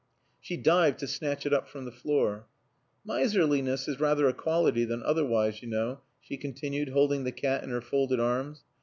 She dived to snatch it up from the floor. "Miserliness is rather a quality than otherwise, you know," she continued, holding the cat in her folded arms.